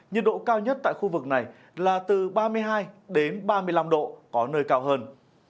nhiệt độ cao nhất tại khu vực này là từ ba mươi hai ba mươi năm độ có nơi cao hơn